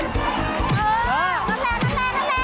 ข้าว